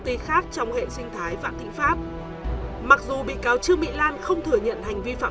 ty khác trong hệ sinh thái phạm thị pháp mặc dù bị cáo trương mỹ lan không thừa nhận hành vi phạm